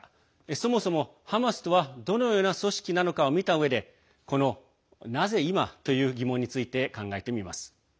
そもそもハマスとはどのような組織なのかを見たうえでなぜ今という疑問について考えてみます。